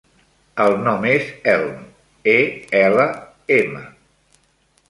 El nom és Elm: e, ela, ema.